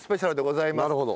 なるほど。